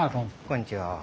こんにちは。